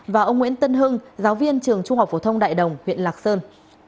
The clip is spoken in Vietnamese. và ông nguyễn tân hưng giáo viên trường trung học phổ thông đại đồng huyện lạc sơn